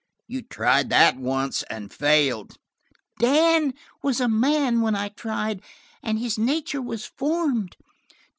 "You tried that once and failed." "Dan was a man when I tried, and his nature was formed.